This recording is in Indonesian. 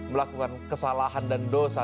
melakukan kesalahan dan dosa